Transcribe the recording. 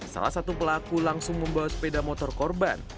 salah satu pelaku langsung membawa sepeda motor korban